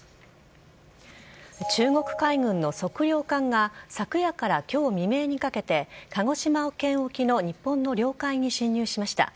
中国海軍の測量艦が昨夜から今日未明にかけて鹿児島県沖の日本の領海に侵入しました。